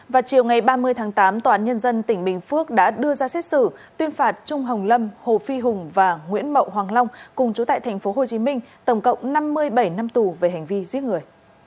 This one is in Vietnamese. vào chiều ngày ba mươi tháng tám tòa án nhân dân tỉnh bình phước đã đưa ra xét xử tuyên phạt trung hồng lâm hồ phi hùng và nguyễn mậu hoàng long cùng chú tại tp hcm tổng cộng năm mươi bảy năm tù về hành vi giết người